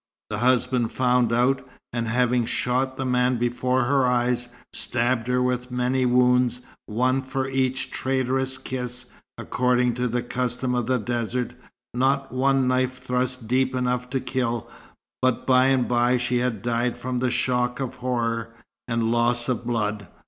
The husband found out, and having shot the man before her eyes, stabbed her with many wounds, one for each traitorous kiss, according to the custom of the desert; not one knife thrust deep enough to kill; but by and by she had died from the shock of horror, and loss of blood.